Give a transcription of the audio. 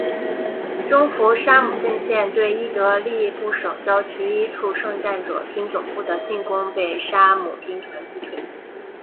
征服沙姆阵线对伊德利卜省郊区一处圣战者军总部的进攻被沙姆军团击退。